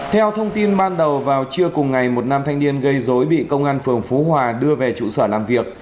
theo thông tin ban đầu vào trưa cùng ngày một nam thanh niên gây dối bị công an phường phú hòa đưa về trụ sở làm việc